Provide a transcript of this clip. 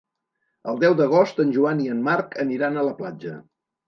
El deu d'agost en Joan i en Marc aniran a la platja.